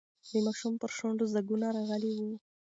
د ماشوم پر شونډو ځگونه راغلي وو.